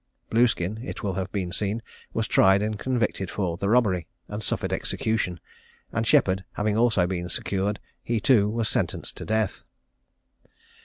Blueskin, it will have been seen, was tried and convicted for the robbery, and suffered execution; and Sheppard having also been secured, he too was sentenced to death.